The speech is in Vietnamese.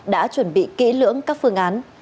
đã chuẩn bị kỹ lưỡng các phương án